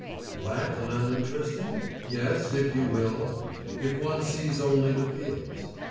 Flat and uninteresting? Yes, if you will. If one sees only the fields.